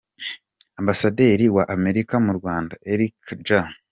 Ambasaderi wa Amerika mu Rwanda Erica J.